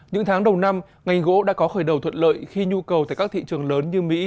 những tháng đầu năm ngành gỗ đã có khởi đầu thuận lợi khi nhu cầu tại các thị trường lớn như mỹ